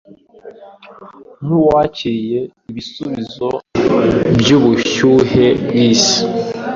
nkuwakiriye Ibisubizo byubushyuhe bwisi